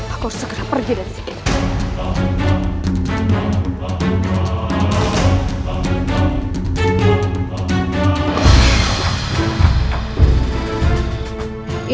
aku segera pergi dari sini